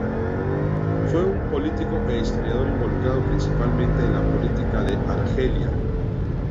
Fue un político e historiador involucrado principalmente en la política de Argelia.